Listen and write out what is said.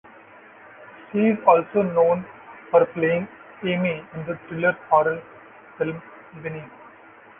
She is also known for playing Amy in the thriller-horror film "Beneath".